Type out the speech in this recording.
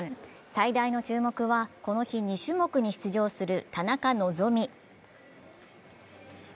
最大の注目はこの日、２種目に出場する田中希実。